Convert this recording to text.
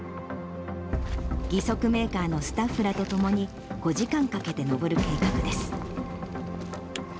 義足メーカーのスタッフらと共に、５時間かけて登る計画です。